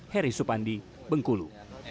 heri supandi bengkulu